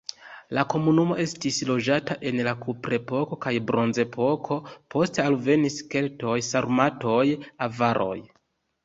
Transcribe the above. La komunumo estis loĝata en la kuprepoko kaj bronzepoko, poste alvenis keltoj, sarmatoj, avaroj.